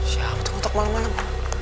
siapa tuh ngotak malem malem